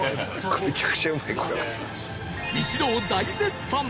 一同大絶賛！